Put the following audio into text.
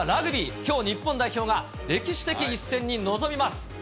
きょう日本代表が歴史的一戦に臨みます。